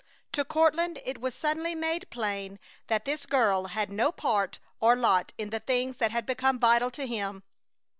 To Courtland it was suddenly made plain that this girl had no part or lot in the things that had become vital to him.